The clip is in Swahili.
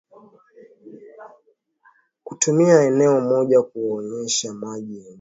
Kutumia eneo moja kuwanyweshwa maji malisho ya pamoja au maeneo mamoja ya kuramba udongo